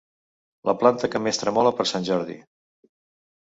La planta que més tremola per sant Jordi.